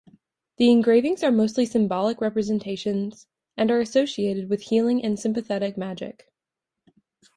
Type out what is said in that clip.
The engravings are mostly symbolic representations and are associated with healing and sympathetic magic.